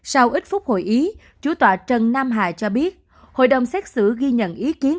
sau ít phút hội ý chủ tòa trần nam hà cho biết hội đồng xét xử ghi nhận ý kiến